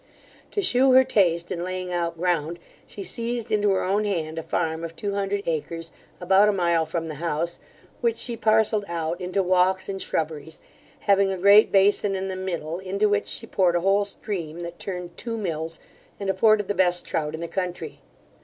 To shew her taste in laying out ground, she seized into her own hand a farm of two hundred acres, about a mile from the house, which she parcelled out into walks and shrubberies, having a great bason in the middle, into which she poured a whole stream that turned two mills, and afforded the best trout in the country.